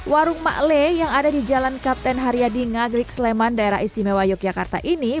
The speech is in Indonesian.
warung makle yang ada di jalan kapten haryadi ngagrik sleman daerah istimewa yogyakarta ini